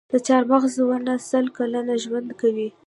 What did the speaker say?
د چهارمغز ونه سل کاله ژوند کوي؟